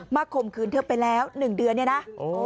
ข่มขืนเธอไปแล้ว๑เดือนเนี่ยนะ